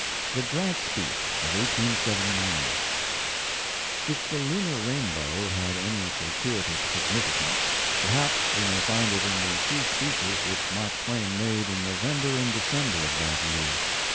THE GRANT SPEECH OF 1879 If the lunar rainbow had any fortuitous significance, perhaps we may find it in the two speeches which Mark Twain made in November and December of that year.